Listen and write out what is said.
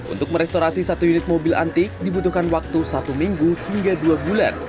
untuk merestorasi satu unit mobil antik dibutuhkan waktu satu minggu hingga dua bulan